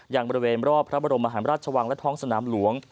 ยังบริเวณรอบพระบรมมหารราชวังและท้องสนามหลวง